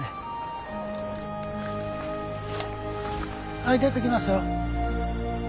はい出てきますよ。